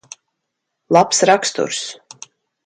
Labs raksturs.